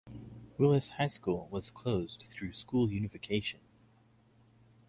Willis High School was closed through school unification.